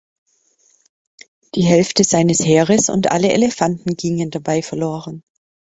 Die Hälfte seines Heeres und alle Elefanten gingen dabei verloren.